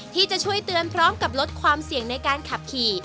ที่จะช่วยเตือนพร้อมกับลดความเสี่ยงในการขับขี่